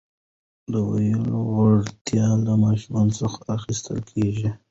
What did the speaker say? د ویلو وړتیا له ماشوم څخه اخیستل کېږي.